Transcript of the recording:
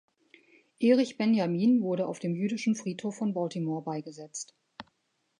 Erich Benjamin wurde auf dem jüdischen Friedhof von Baltimore beigesetzt.